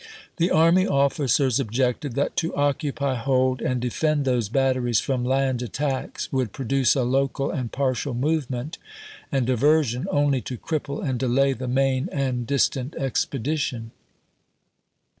The army officers objected that to occupy, hold, and defend those batteries from land attacks would produce a local and partial movement and diver sion only to cripple and delay the main and dis tant expedition.